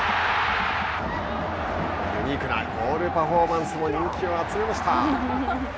ユニークなボールパフォーマンスも人気を集めました。